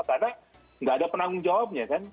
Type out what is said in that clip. karena nggak ada penanggung jawabnya kan